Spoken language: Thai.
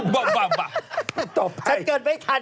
สองคนนี้เขาเกิดทัน